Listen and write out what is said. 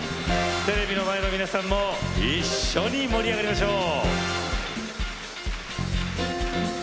テレビの前の皆さんも一緒に盛り上がりましょう。